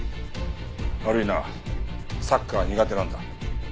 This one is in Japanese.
悪いなサッカーは苦手なんだ。